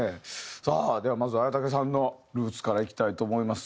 さあではまずは文武さんのルーツからいきたいと思います。